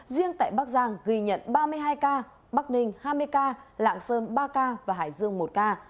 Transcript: riêng tại bắc giang ghi nhận ba mươi hai ca bắc ninh hai mươi ca lạng sơn ba ca và hải dương một ca